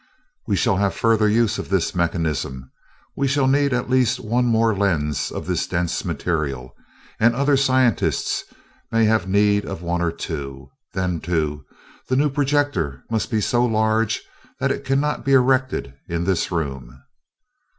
"We shall have further use for this mechanism. We shall need at least one more lens of this dense material, and other scientists also may have need of one or two. Then, too, the new projector must be so large that it cannot be erected in this room."